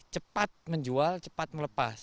cepat menjual cepat melepas